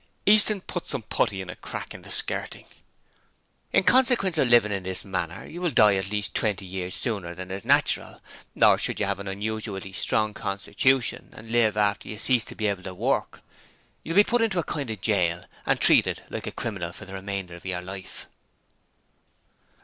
Easton put some putty in a crack in the skirting. 'In consequence of living in this manner, you will die at least twenty years sooner than is natural, or, should you have an unusually strong constitution and live after you cease to be able to work, you will be put into a kind of jail and treated like a criminal for the remainder of your life.'